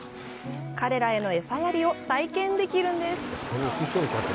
彼らへの餌やりを体験できるんです。